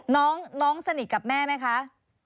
น้องสนิทกับแม่ไหมคะ